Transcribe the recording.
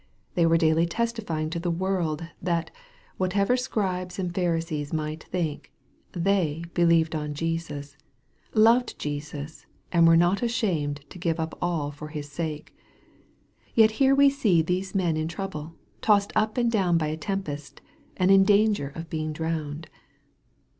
They were daily testifying to the world, that, whatever Scribes and Pharisees might think, they be lieved on Jesus, loved Jesus, and were not ashamed to give up all for His sake. Yet here we see these men in trouble, tossed up and down by a tempest, and in dan ger of being drowned.